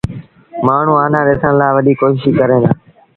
مآڻهوٚݩ آنآ ڏسڻ لآ وڏيٚ ڪوشيٚش ڪريݩ دآ۔